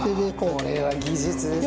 これは技術ですね。